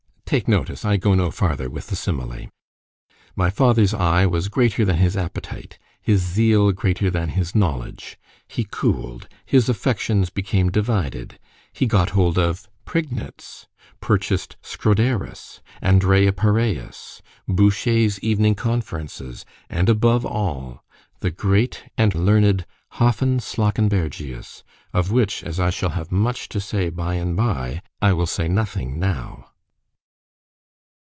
——Take notice, I go no farther with the simile—my father's eye was greater than his appetite—his zeal greater than his knowledge—he cool'd—his affections became divided——he got hold of Prignitz—purchased Scroderus, Andrea Paraeus, Bouchet's Evening Conferences, and above all, the great and learned Hafen Slawkenbergius; of which, as I shall have much to say by and bye—I will say nothing now.